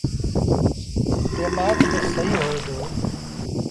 ديمآڪ با سهيٚ هوئي دو۔